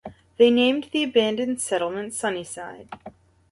They named the abandoned settlement "Sunnyside".